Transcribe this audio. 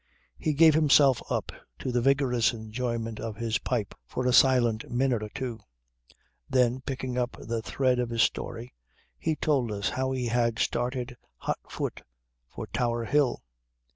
He gave himself up to the vigorous enjoyment of his pipe for a silent minute or two. Then picking up the thread of his story he told us how he had started hot foot for Tower Hill.